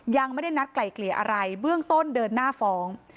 ยังไม่ได้นัดไกล่เกลี่ยอะไรเบื้องต้นเดินหน้าฟ้อง